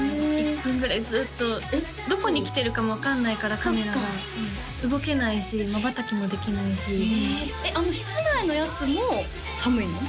１分ぐらいずっとどこに来てるかも分かんないからカメラが動けないしまばたきもできないしあの室内のやつも寒いの？